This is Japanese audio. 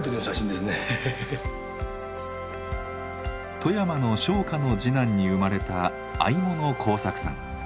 富山の商家の次男に生まれた四十物幸作さん。